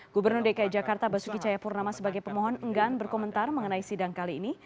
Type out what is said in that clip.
gubernur dki jakarta basuki cayapurnama sebagai pemohon enggan berkomentar mengenai sidang kali ini